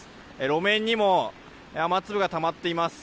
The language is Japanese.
路面にも雨粒がたまっています。